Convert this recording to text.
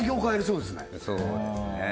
そうですね